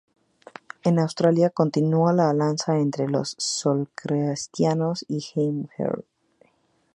En Austria continuó la alianza entre los socialcristianos y la Heimwehr.